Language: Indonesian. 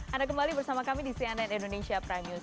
anda kembali bersama kami di cnn indonesia prime news